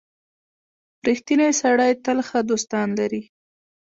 • رښتینی سړی تل ښه دوستان لري.